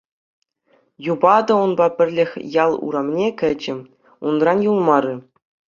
Юпа та унпа пӗрлех ял урамне кӗчӗ, унран юлмарӗ.